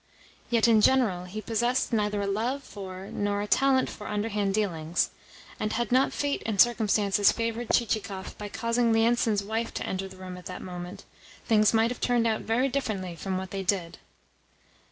Yet, in general, he possessed neither a love for nor a talent for underhand dealings, and, had not fate and circumstances favoured Chichikov by causing Lienitsin's wife to enter the room at that moment, things might have turned out very differently from what they did.